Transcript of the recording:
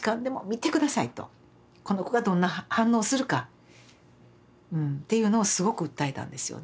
この子がどんな反応をするかっていうのをすごく訴えたんですよね。